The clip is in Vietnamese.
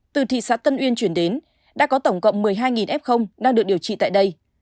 từ thị xã tân uyên chuyển đến đã có tổng cộng một mươi hai f đang được điều trị tại đây